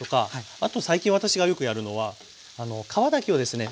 あと最近私がよくやるのは皮だけをですね